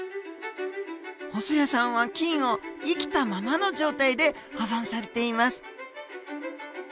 細矢さんは菌を生きたままの状態で保存されています。